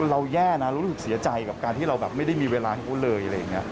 เราแย่นะรู้สึกเสียใจกับการที่เราไม่ได้มีเวลาที่พูดเลย